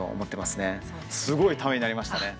すごい、ためになりましたね。